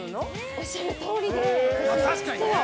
◆おっしゃるとおりで、ぜひ。